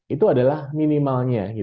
itu adalah minimalnya